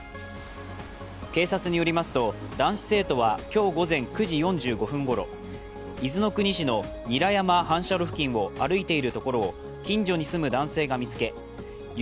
警察によりますと男子生徒は今日午前９時４５分ごろ伊豆の国市の韮山反射炉付近を歩いているところを近所に住む男性が見つけ湯